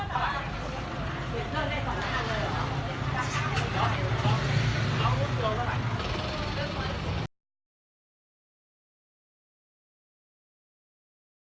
ตอนนี้ก็ถูกคันแล้วเนาะโอเคครับผม